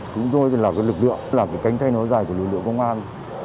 chúng tôi là cái lực lượng là cái cánh tay nó dài của lực lượng công an